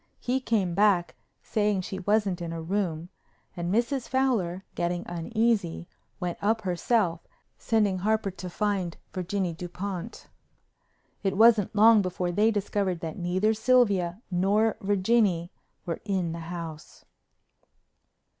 He came back saying she wasn't in her room, and Mrs. Fowler, getting uneasy, went up herself, sending Harper to find Virginie Dupont. It wasn't long before they discovered that neither Sylvia nor Virginie were in the house.